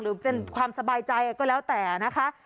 หรือเป็นความสบายใจก็แล้วแต่นะคะ